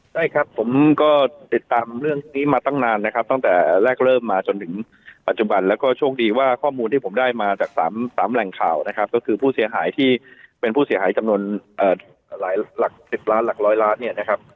ได้ครับผมก็ติดตามเรื่องนี้มาตั้งนานนะครับตั้งแต่แรกเริ่มมาจนถึงปัจจุบันแล้วก็โชคดีว่าข้อมูลที่ผมได้มาจาก๓แหล่งข่าวนะครับก็คือผู้เสียหายที่เป็นผู้เสียหายจำนวนหลายหลัก๑๐ล้านหลักร้อยล้านเนี่ยนะครับ